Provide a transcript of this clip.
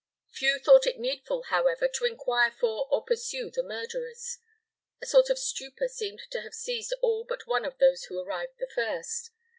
Few thought it needful, however, to inquire for or pursue the murderers. A sort of stupor seemed to have seized all but one of those who arrived the first.